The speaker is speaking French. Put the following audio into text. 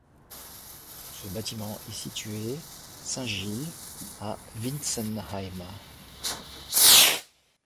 Ce bâtiment est situé saint-Gilles à Wintzenheim.